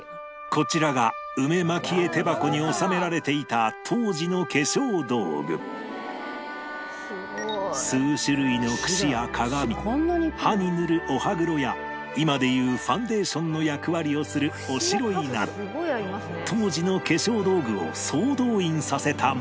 こちらが梅蒔絵手箱に収められていた当時の化粧道具数種類のクシや鏡歯に塗るお歯黒や今でいうファンデーションの役割をするおしろいなど当時の化粧道具を総動員させたもの